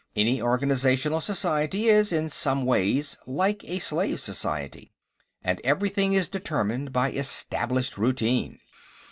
Any organizational society is, in some ways, like a slave society. And everything is determined by established routine.